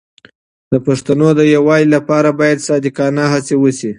د پښتنو د یووالي لپاره باید صادقانه هڅې وشي.